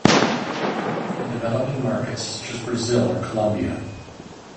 In developing markets such as Brazil or Columbia.